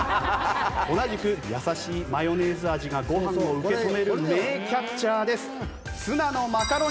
同じく優しいマヨネーズ味がご飯を受け止める名キャッチャーです。